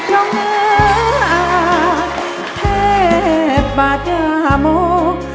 เผ็บประจำวง